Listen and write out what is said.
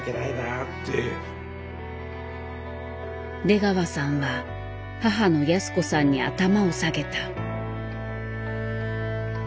出川さんは母の泰子さんに頭を下げた。